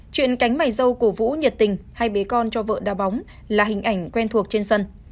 chuyện cánh mày dâu của vũ nhiệt tình hay bé con cho vợ đá bóng là hình ảnh quen thuộc trên sân